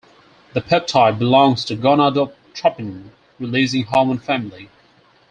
The peptide belongs to gonadotropin-releasing hormone family.